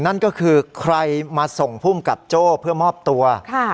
นั่นก็คือใครมาส่งภูมิกับโจ้เพื่อมอบตัว